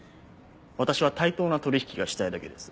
私は対等な取引がしたいだけです。